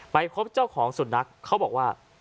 ไปพบเจ้าของสุนัขเขาบอกว่า